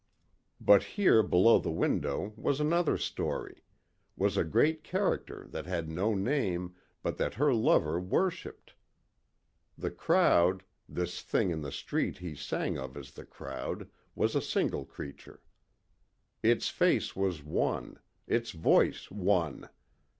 But here below the window was another story was a great character that had no name but that her lover worshipped. The crowd ... this thing in the street he sang of as the crowd was a single creature. Its face was one, its voice one.